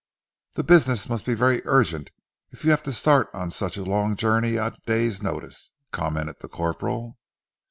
"The business must be very urgent if you have to start on such a long journey at a day's notice," commented the corporal.